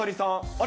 あれ？